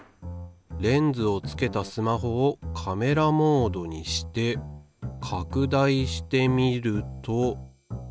レンズをつけたスマホをカメラモードにして拡大してみると。